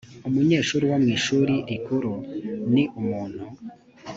umunyeshuri wo mu ishuri rikuru ni umuntu